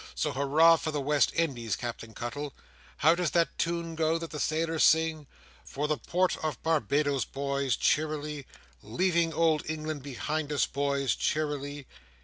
So hurrah for the West Indies, Captain Cuttle! How does that tune go that the sailors sing? "For the Port of Barbados, Boys! Cheerily! Leaving old England behind us, Boys! Cheerily!"